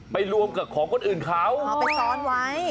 รวมกับของคนอื่นเขาเอาไปซ้อนไว้